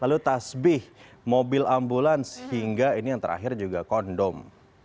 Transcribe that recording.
lalu tasbih mobil ambulans hingga ini yang terakhir juga kondom